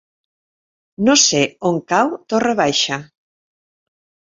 No sé on cau Torre Baixa.